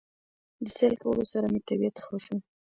د سېل کولو سره مې طبعيت ښه شو